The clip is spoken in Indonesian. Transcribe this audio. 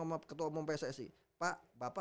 sama ketua umum pssi pak bapak